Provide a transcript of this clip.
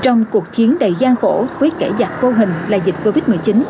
trong cuộc chiến đầy gian khổ với kẻ giặc vô hình là dịch covid một mươi chín